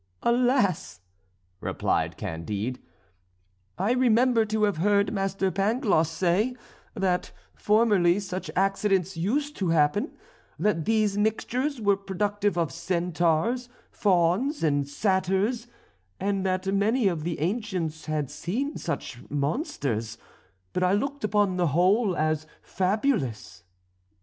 "Alas!" replied Candide, "I remember to have heard Master Pangloss say, that formerly such accidents used to happen; that these mixtures were productive of Centaurs, Fauns, and Satyrs; and that many of the ancients had seen such monsters, but I looked upon the whole as fabulous."